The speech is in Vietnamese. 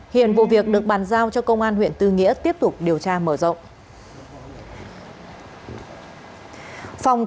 hiện vụ việc được bàn giao cho công an huyện tư nghĩa tiếp tục điều tra mở rộng